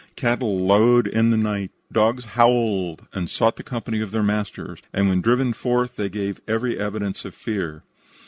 Cattle lowed in the night. Dogs howled and sought the company of their masters, and when driven forth they gave every evidence of fear.